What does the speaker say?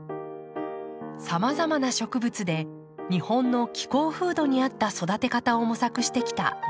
さまざまな植物で日本の気候風土に合った育て方を模索してきた永村さん。